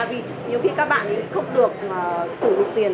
vì nhiều khi các bạn ấy không được sử dụng tiền